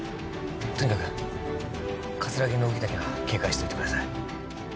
とにかく葛城の動きだけは警戒しておいてください